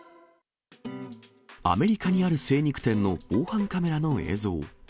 アメリカにある精肉店の防犯カメラの映像。